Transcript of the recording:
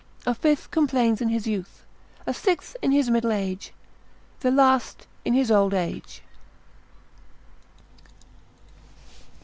A fifth complains in his youth, a sixth in his middle age, the last in his old age.